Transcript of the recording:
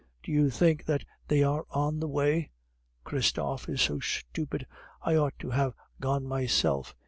Do you think that they are on the way? Christophe is so stupid; I ought to have gone myself.